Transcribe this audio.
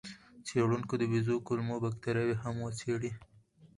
څېړونکو د بیزو کولمو بکتریاوې هم وڅېړې.